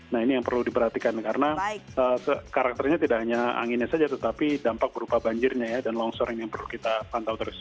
nah ini yang perlu diperhatikan karena karakternya tidak hanya anginnya saja tetapi dampak berupa banjirnya ya dan longsor ini yang perlu kita pantau terus